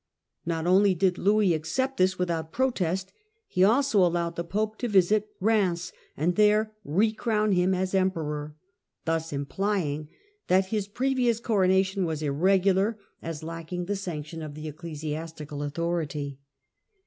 Not only did Louis accept this without protest, he also allowed the Pope to visit Eheims and there recrown him as Emperor — thus implying that his previous coronation was irregular, as lacking the sanction of the ecclesiastical authority.